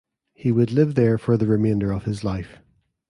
He would live there for the remainder of his life.